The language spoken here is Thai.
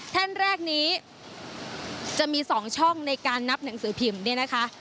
ท่านแรกนี้จะมี๒ช่องในการนับหนังสือพิมพ์เนี่ยนะคะ